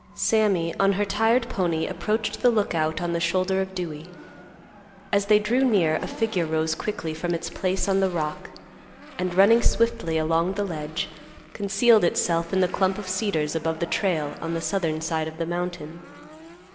Sammy, on her tired pony, approached the Lookout on the shoulder of Dewey. As they drew near a figure rose quickly from its place on the rock, and, running swiftly along the ledge, concealed itself in the clump of cedars above the trail on the southern side of the mountain.